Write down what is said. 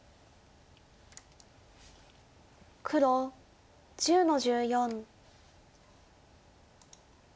黒１０の十四。